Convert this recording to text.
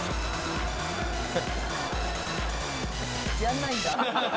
「やらないんだ」